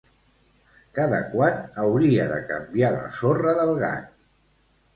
Cada quant hauria de canviar la sorra del gat?